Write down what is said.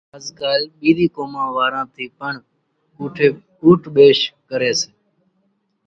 آز ڪال ٻيزِي قومان واران ٿِي پڻ اُوٺِ ٻيش ڪريَ سي۔